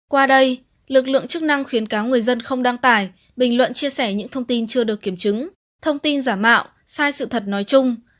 qua đây lực lượng chức năng khuyến cáo người dân không đăng tải bình luận chia sẻ những thông tin chưa được kiểm chứng thông tin giả mạo sai sự thật nói chung